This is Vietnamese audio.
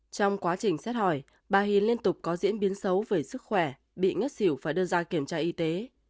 trong quá trình xét hỏi bà hiền liên tục có diễn biến xấu về sức khỏe bị ngất xỉu phải đưa ra kiểm tra y tế